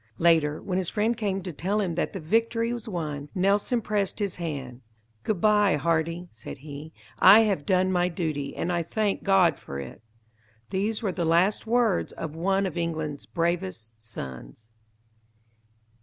Later, when his friend came to tell him that the victory was won, Nelson pressed his hand. "Good bye, Hardy!" said he, "I have done my duty, and I thank God for it." These were the last words of one of England's bravest sons.